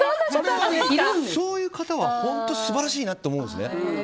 そういう方は本当素晴らしいなって思うんです。